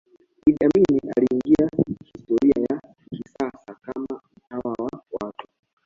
Idi Amin aliingia historia ya kisasa kama mtawala wa watu